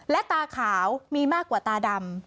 และตาขาวมีมากกว่าตาดำ